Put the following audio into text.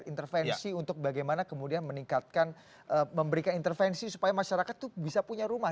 intervensi untuk bagaimana kemudian meningkatkan memberikan intervensi supaya masyarakat itu bisa punya rumah